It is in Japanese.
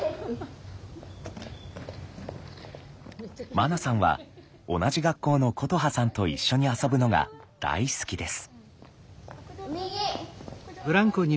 まなさんは同じ学校のことはさんと一緒に遊ぶのが大好きです。